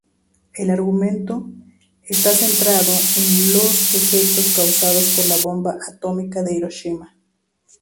El argumento está centrado en los efectos causados por la bomba atómica de Hiroshima.